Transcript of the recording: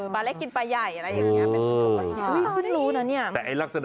ปลาไล่กินปลาย่ายอะไรอย่างนี้เป็นประกัน